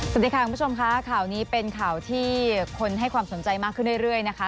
สวัสดีค่ะคุณผู้ชมค่ะข่าวนี้เป็นข่าวที่คนให้ความสนใจมากขึ้นเรื่อยนะคะ